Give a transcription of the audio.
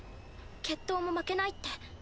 決闘も負けないって。